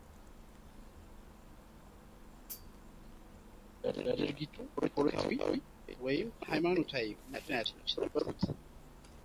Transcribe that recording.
ለድርጊቱ ፖለቲካዊ ወይም ሃይማኖታዊ ምክንያቶች ነበሩት?